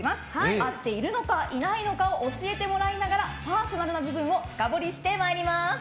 合っているのかいないのかを教えてもらいながらパーソナルな部分を深掘りしてまいります。